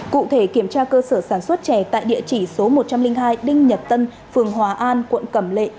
cụ thể kiểm tra cơ sở sản xuất chè tại địa chỉ số một trăm linh hai đinh nhật tân phường hòa an quận cẩm lệ